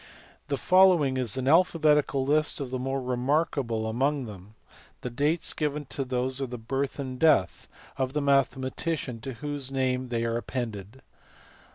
The following is an alphabetical list of the more remarkable among them : the dates given are those of the birth and death of the mathematician to whose name they are appended.